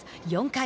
４回。